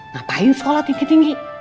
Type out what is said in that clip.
ngapain sekolah tinggi tinggi